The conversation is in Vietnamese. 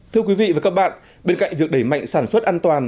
thưa quý vị và các bạn bên cạnh việc đẩy mạnh sản xuất an toàn